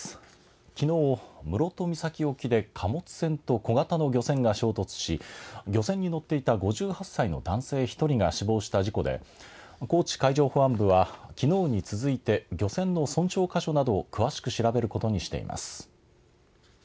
きのう、室戸岬沖で貨物船と小型の漁船が衝突し漁船に乗っていた５８歳の男性１人が死亡した事故で高知海上保安部はきのうに続いて漁船の損傷箇所などを詳しく調べることにしています。